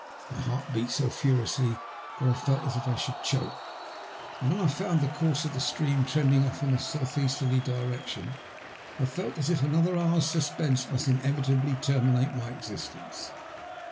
My heart beat so furiously that I felt as if I should choke, and when I found the course of the stream trending off in a south easterly direction, I felt as it another hour's suspense must inevitably terminate my existence.